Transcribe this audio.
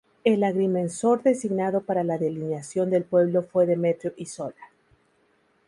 El agrimensor designado para la delineación del pueblo fue Demetrio Isola.